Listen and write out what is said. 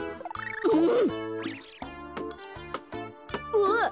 うわっ！